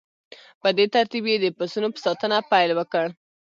په دې ترتیب یې د پسونو په ساتنه پیل وکړ